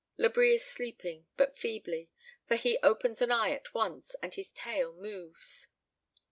Labri is sleeping, but feebly, for he opens an eye at once, and his tail moves.